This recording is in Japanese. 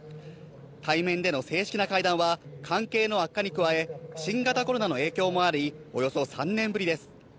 対面での正式な会談は、関係の悪化に加え、新型コロナの影響もあり、およそ３年ぶりです。